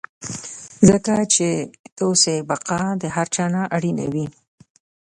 ځکه چې ستاسې بقا تر هر څه اړينه وي.